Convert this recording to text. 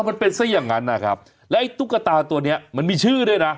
มันเป็นซะอย่างนั้นนะครับแล้วไอ้ตุ๊กตาตัวเนี้ยมันมีชื่อด้วยนะ